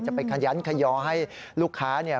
ไปขยันขยอให้ลูกค้าเนี่ย